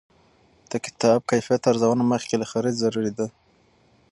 د کتاب کیفیت ارزونه مخکې له خرید ضروري ده.